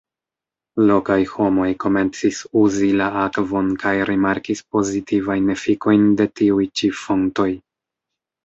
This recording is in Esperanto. Lokaj homoj komencis uzi la akvon kaj rimarkis pozitivajn efikojn de tiuj ĉi fontoj.